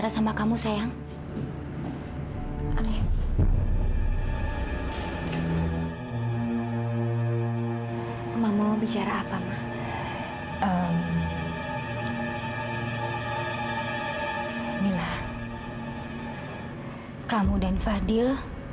sampai jumpa di video selanjutnya